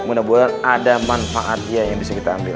mudah mudahan ada manfaatnya yang bisa kita ambil